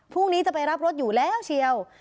พรุ่งนี้จะไปรับรถอยู่แล้วเชียว